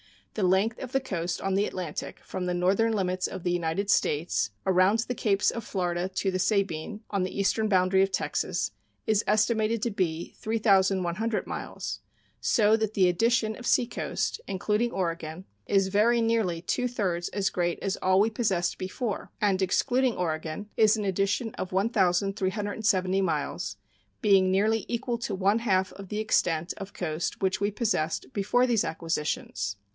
The length of the coast on the Atlantic from the northern limits of the United States around the capes of Florida to the Sabine, on the eastern boundary of Texas, is estimated to be 3,100 miles; so that the addition of seacoast, including Oregon, is very nearly two thirds as great as all we possessed before, and, excluding Oregon, is an addition of 1,370 miles, being nearly equal to one half of the extent of coast which we possessed before these acquisitions.